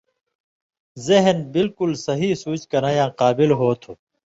ذہِن بلکل صحیح سُوچ کرَین٘یاں قابل ہوتُھو۔